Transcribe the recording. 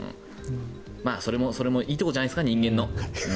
それもいいところじゃないですか人間の。